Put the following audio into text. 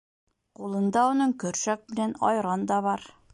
Ҡулында уның көршәк менән айран да бар.